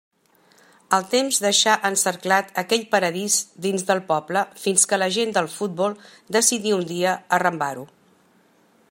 El temps deixà encerclat aquell paradís dins del poble fins que la gent del futbol decidí un dia arrambar-ho.